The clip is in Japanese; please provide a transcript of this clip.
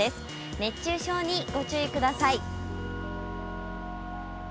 熱中症にご注意ください。